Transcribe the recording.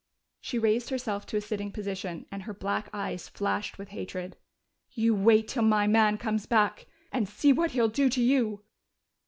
She raised herself to a sitting position, and her black eyes flashed with hatred. "You wait till my man comes back and see what he'll do to you!"